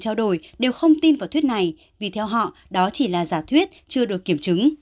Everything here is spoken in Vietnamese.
trao đổi đều không tin vào thuyết này vì theo họ đó chỉ là giả thuyết chưa được kiểm chứng